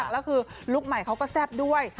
และลุคใหม่เขาก็แซ่บด้วย